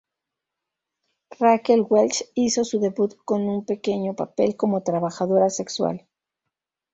Raquel Welch hizo su debut con un pequeño papel como trabajadora sexual.